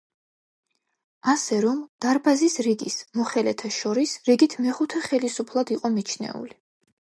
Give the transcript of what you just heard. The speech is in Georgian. ასე რომ „დარბაზის რიგის“ მოხელეთა შორის რიგით მეხუთე ხელისუფლად იყო მიჩნეული.